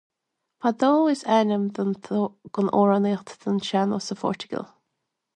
Fado is ainm den amhránaíocht den seannós sa Phortaingéil